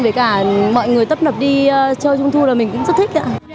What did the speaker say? để cả mọi người tấp nập đi chơi trung thu là mình cũng rất thích